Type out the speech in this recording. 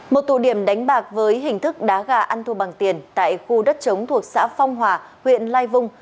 một tụ điểm đánh bạc với hình thức đá gà ăn thua bằng tiền tại khu đất chống thuộc xã phong hòa huyện lai vung